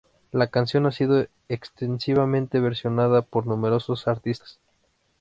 La canción ha sido extensivamente versionada por numerosos artistas.